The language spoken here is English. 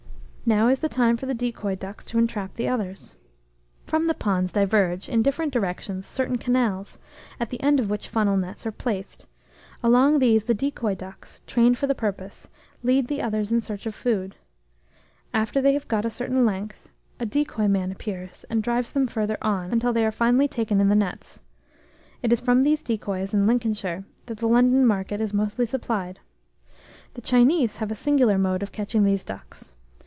Now is the time for the decoy ducks to entrap the others. From the ponds diverge, in different directions, certain canals, at the end of which funnel nets are placed; along these the decoy ducks, trained for the purpose, lead the others in search of food. After they have got a certain length, a decoy man appears, and drives them further on, until they are finally taken in the nets. It is from these decoys, in Lincolnshire, that the London market is mostly supplied. The Chinese have a singular mode of catching these ducks.